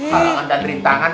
halangan dan rem tangan